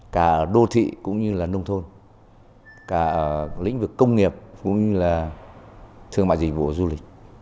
cả đô thị cũng như là nông thôn cả lĩnh vực công nghiệp cũng như là thương mại dịch vụ du lịch